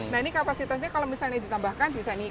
nah ini kapasitasnya kalau misalnya ditambahkan bisa nih